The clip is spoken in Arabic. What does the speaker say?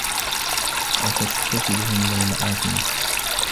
وَتَكْتَسِبُهُ مِنْ الْمَآثِمِ